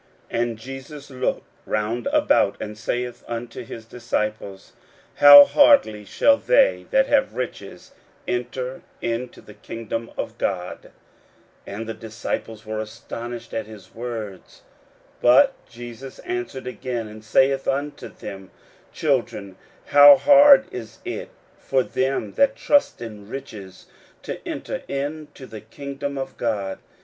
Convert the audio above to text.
41:010:023 And Jesus looked round about, and saith unto his disciples, How hardly shall they that have riches enter into the kingdom of God! 41:010:024 And the disciples were astonished at his words. But Jesus answereth again, and saith unto them, Children, how hard is it for them that trust in riches to enter into the kingdom of God!